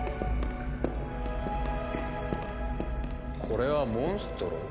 これはモンストロ？